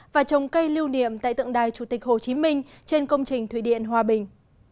và trồng cây lưu niệm tại tượng đài chủ tịch hồ chí minh trên công trình thủy điện hòa bình